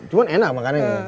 cuman enak makannya